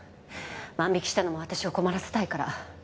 万引きしたのも私を困らせたいから。